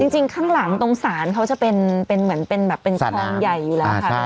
จริงข้างหลังตรงศาลเขาจะเป็นเหมือนเป็นแบบเป็นคลองใหญ่อยู่แล้วค่ะ